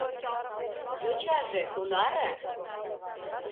— Йочаже кунаре?